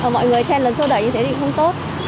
mọi người trên lần sô đẩy như thế thì không tốt